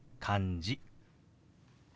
「感じ」。